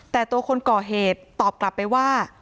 แต่ตัวคนก่อเหตุตอบกลับไปว่า